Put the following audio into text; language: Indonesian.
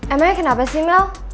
emangnya kenapa sih mel